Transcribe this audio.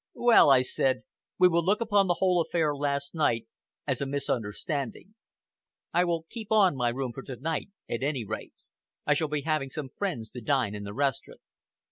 "Well," I said, "we will look upon the whole affair last night as a misunderstanding. I will keep on my room for to night, at any rate. I shall be having some friends to dine in the restaurant."